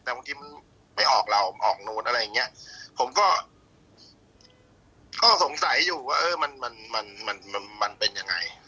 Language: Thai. แต่บางทีมันไปออกเราออกโน้ตอะไรอย่างเงี้ยผมก็สงสัยอยู่ว่ามันเป็นยังไง